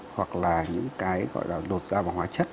hoặc là những cái gọi là đột da vào hóa chất